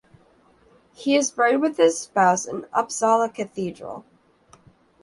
He is buried with his spouse in Uppsala Cathedral.